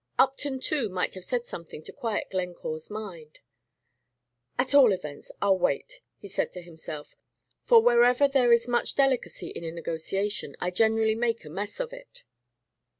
Upton, too, might have said something to quiet Glencore's mind. "At all events, I'll wait," said he to himself; "for wherever there is much delicacy in a negotiation, I generally make a mess of it."